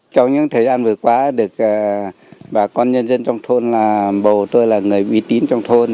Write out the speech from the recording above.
trong những thời gian vừa qua được bà con nhân dân trong thôn bầu tôi là người uy tín trong thôn